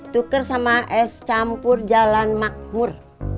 tuker sama es campur jalan makmur